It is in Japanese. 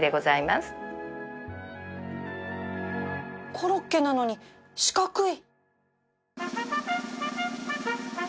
コロッケなのに四角い